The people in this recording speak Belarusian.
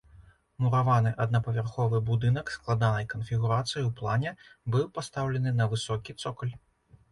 Мураваны аднапавярховы будынак складанай канфігурацыі ў плане, быў пастаўлены на высокі цокаль.